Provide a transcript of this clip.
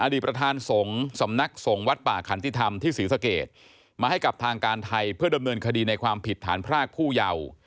ประธานสงฆ์สำนักสงฆ์วัดป่าขันติธรรมที่ศรีสเกตมาให้กับทางการไทยเพื่อดำเนินคดีในความผิดฐานพรากผู้เยาว์